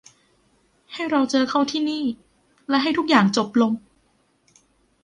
ให้เราเจอเขาที่นี่และให้ทุกอย่างจบลง